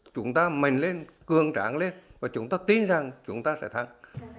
chúng ta mạnh lên cường tráng lên và chúng ta tin rằng chúng ta sẽ thắng